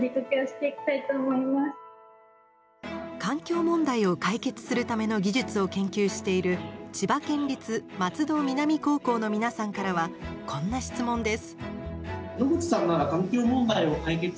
環境問題を解決するための技術を研究している千葉県立松戸南高校の皆さんからはこんな質問です。